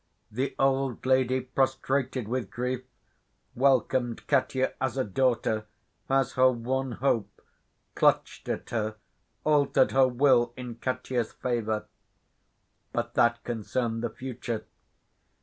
The old lady, prostrated with grief, welcomed Katya as a daughter, as her one hope, clutched at her, altered her will in Katya's favor. But that concerned the future.